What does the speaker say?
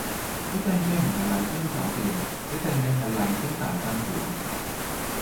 你訂嘅唔係麗晶酒店，你訂嘅係麗晶大賓館